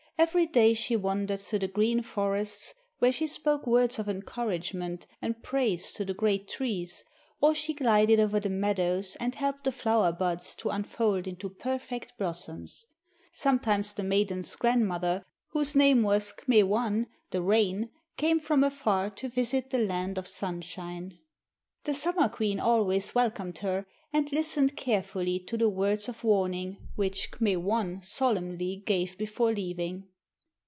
Every day she wandered through the green forests where she spoke words of enouragement and praise to the great trees, or she glided over the meadows and helped the flower buds to unfold into perfect blossoms. Sometimes the maiden's grandmother, whose name was K'me wan, the Rain, came from afar to visit the land of Sunshine. The Summer Queen always welcomed her and listened carefully to the words of warning which K'me wan solemnly gave before leaving.